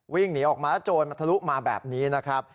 วิ่งหนีออกมาแล้วโจรมันทะลุมาแบบนี้นะครับ